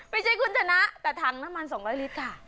ไม่ใช่คุณชนะแต่ถังน้ำมัน๒๐๐ลิตรค่ะ